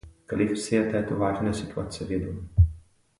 Cliff si je této vážné situace vědom.